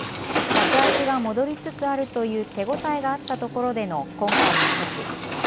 客足が戻りつつあるという手応えがあったところでの今回の措置。